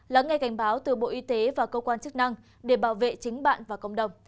lắng nghe cảnh báo từ bộ y tế và cơ quan chức năng để bảo vệ chính bạn và cộng đồng